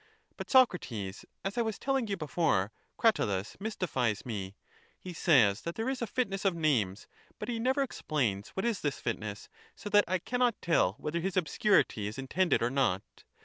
But, Socrates, as I was telling you before, Cratylus mystifies me ; he says that there is a fitness of names, but he never explains what is this fitness, so that I cannot tell whether his obscurity is intended or not.